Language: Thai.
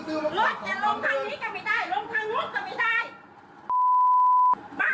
ถ้าจำทางก็เรื่องของมึงที่มึงจะจ่ายก็เรื่องของนับ